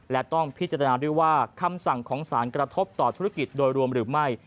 และต้องพิจารณาด้วยว่าคำสั่งของสารกระทบต่อธุรกิจโดยรวมหรือไม่